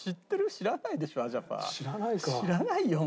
知らない？